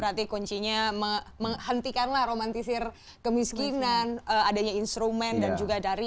berarti kuncinya menghentikanlah romantisir kemiskinan adanya instrumen dan juga dari